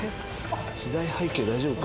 時代背景大丈夫か？